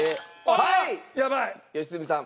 はい良純さん！